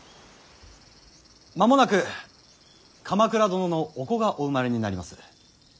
間もなく鎌倉殿のお子がお生まれになります。